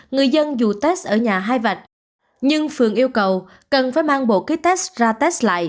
người dân dù test ở nhà hai vạn nhưng phường yêu cầu cần phải mang bộ ký test ra test lại